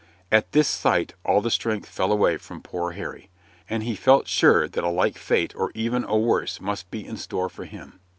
At this sight all the strength fell away from poor Harry, and he felt sure that a like fate or even a worse must be in store for him.